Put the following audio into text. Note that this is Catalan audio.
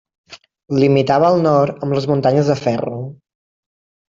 Limitava al nord amb les Muntanyes de Ferro.